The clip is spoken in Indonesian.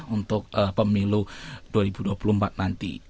untuk pemilu dua ribu dua puluh empat nanti